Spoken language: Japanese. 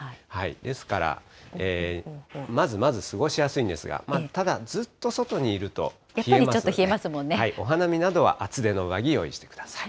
ですから、まずまず過ごしやすいんですが、ただずっと外にいると、冷えますので、お花見などは厚手の上着、用意してください。